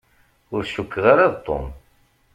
Ur cukkeɣ ara d Tom.